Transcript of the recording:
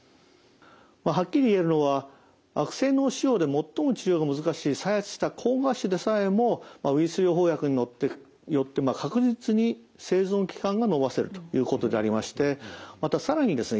はっきり言えるのは悪性脳腫瘍で最も治療が難しい再発した膠芽腫でさえもウイルス療法薬によって確実に生存期間が延ばせるということでありましてまた更にですね